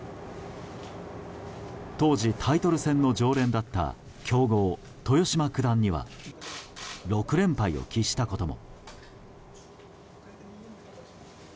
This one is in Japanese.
当時、タイトル戦の常連だった強豪・豊島九段には６連敗を喫したことも。